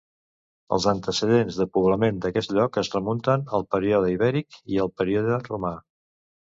Els antecedents de poblament d’aquest lloc es remunten al període ibèric i al període romà.